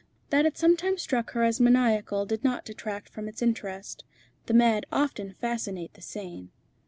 That it sometimes struck her as maniacal did not detract from its interest. The mad often fascinate the sane.